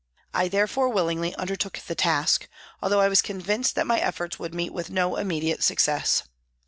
I therefore willingly undertook the task, although I was con vinced that my efforts would meet with no im mediate success.